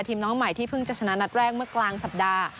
น้องใหม่ที่เพิ่งจะชนะนัดแรกเมื่อกลางสัปดาห์